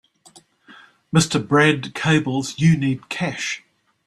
Mr. Brad cables you need cash.